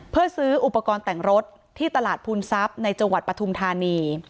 เพื่อซื้ออุปกรณ์แต่งรถที่ตลาดภูนทรัพย์ในจังหวัดปฐุมธานี